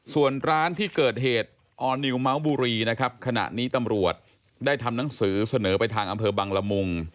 ส่วนร้านที่เกิดเหตุออร์นิวเมาส์บุรีนะครับขณะนี้ตำรวจได้ทำหนังสือเสนอไปทางอำเภอบังละมุง